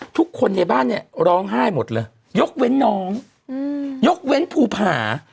ทุกคนในบ้านเนี่ยร้องไห้หมดเลยยกเว้นน้องยกเว้นภูผา